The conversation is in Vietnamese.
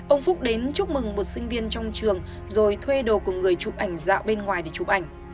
ông phúc đến chúc mừng một sinh viên trong trường rồi thuê đồ của người chụp ảnh dạo bên ngoài để chụp ảnh